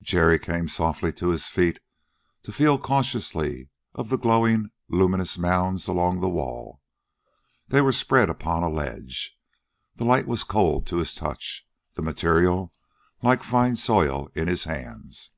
Jerry came softly to his feet to feel cautiously of the glowing, luminous mounds along the wall. They were spread upon a ledge. The light was cold to his touch, the material like fine soil in his hands.